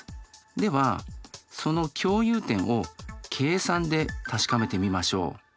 ではその共有点を計算で確かめてみましょう。